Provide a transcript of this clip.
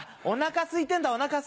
お腹すいてんだ